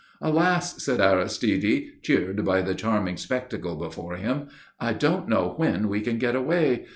"Alas!" said Aristide, cheered by the charming spectacle before him. "I don't know when we can get away.